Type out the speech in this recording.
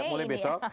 ya mulai besok